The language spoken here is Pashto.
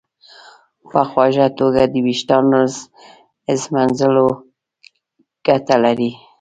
په خوږه توګه د ویښتانو ږمنځول ګټه لري.